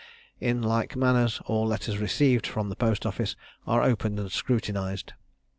In like manner, all letters received from the post office are opened and scrutinised.